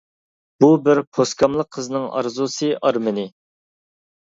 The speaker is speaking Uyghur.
بۇ بىر پوسكاملىق قىزنىڭ ئارزۇسى ئارمىنى.